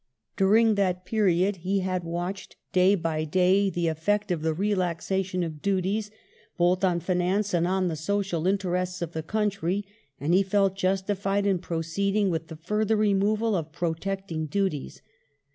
During that period he had watched day by day the effect of the relaxation of duties, both on finance and on all the social interests of the country, and he felt j ustified in proceeding with the further removal of protecting duties.